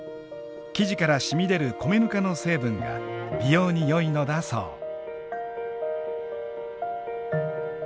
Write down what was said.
生地からしみ出る米ぬかの成分が美容によいのだそう。